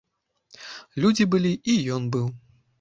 Людзі былі, і ён быў.